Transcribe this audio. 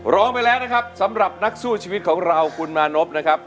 ร้องไปแล้วนะครับสำหรับนักสู้ชีวิตของเราคุณมานพนะครับ